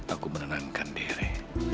aku menenangkan diri